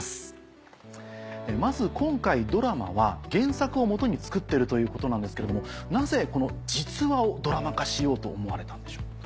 まず今回ドラマは原作を基に作ってるということなんですけれどもなぜこの実話をドラマ化しようと思われたんでしょう？